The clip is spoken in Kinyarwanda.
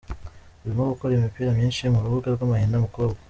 urimo gukora imipira myinshi mu rubuga rw’amahina mukobwa.